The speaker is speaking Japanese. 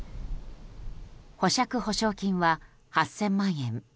保釈保証金は８０００万円。